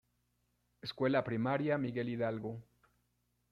Escuela Primaria: Miguel Hidalgo